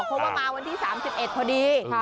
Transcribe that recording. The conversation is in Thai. เพราะว่ามาวันที่๓๑พอดี